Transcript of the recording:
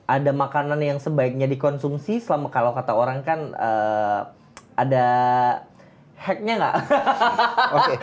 ada makanan yang sebaiknya dikonsumsi selama kalau kata orang kan ada hack nya nggak